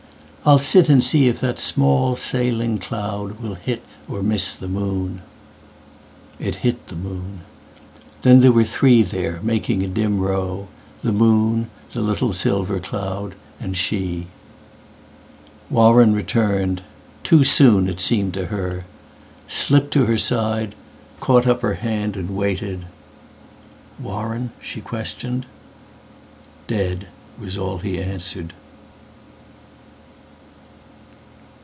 I'll sit and see if that small sailing cloudWill hit or miss the moon."It hit the moon. Then there were three there, making a dim row, The moon, the little silver cloud, and she. Warren returned—too soon, it seemed to her, Slipped to her side, caught up her hand and waited."Warren," she questioned."Dead," was all he answered.